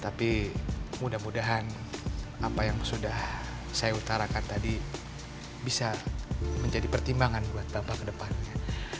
tapi mudah mudahan apa yang sudah saya utarakan tadi bisa menjadi pertimbangan buat bapak kedepannya